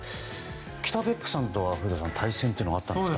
北別府さんとは対戦はあったんですか。